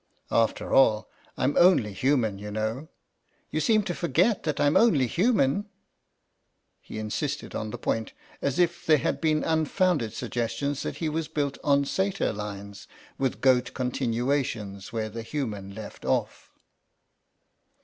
"After all, I'm only human, you know. You seem to forget that I'm only human." He insisted on the point, as if there had been unfounded suggestions that he was built on Satyr lines, with goat continuations where the human left off.